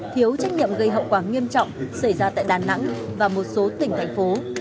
thiếu trách nhiệm gây hậu quả nghiêm trọng xảy ra tại đà nẵng và một số tỉnh thành phố